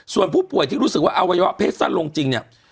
ส่วนผู้ป่วยที่รู้สึกว่าอวัยวะเพศสั้นลงจริงเนี่ย